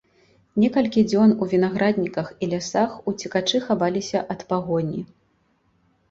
Некалькі дзён у вінаградніках і лясах уцекачы хаваліся ад пагоні.